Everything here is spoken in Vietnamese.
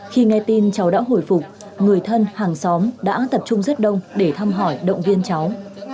khi nghe tin cháu đã hồi phục người thân hàng xóm đã tập trung rất đông để thăm hỏi động viên cháu